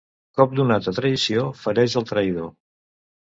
Cop donat a traïció, fereix el traïdor.